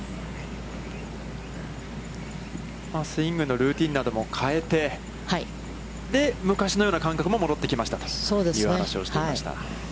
スイングのルーティンなども変えて、で、昔のような感覚も戻ってきましたという話をしていました。